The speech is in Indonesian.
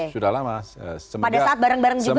pada saat bareng bareng juga di banser